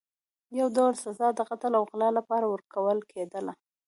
یو ډول سزا د قتل او غلا لپاره ورکول کېدله.